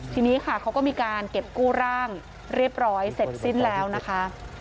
ทีนี้ค่ะเขาก็มีการเก็บกู้ร่างเรียบร้อยเสร็จสิ้นแล้วนะคะ